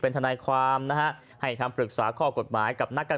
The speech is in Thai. ทนายความนะฮะให้คำปรึกษาข้อกฎหมายกับนักการ